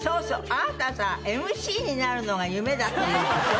あなたさＭＣになるのが夢だっていうんでしょ？